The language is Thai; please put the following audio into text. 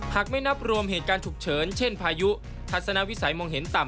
หากไม่นับรวมเหตุการณ์ฉุกเฉินเช่นพายุทัศนวิสัยมองเห็นต่ำ